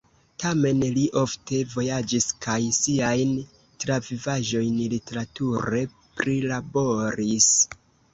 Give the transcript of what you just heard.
Tamen li ofte vojaĝis kaj siajn travivaĵojn literature prilaboris.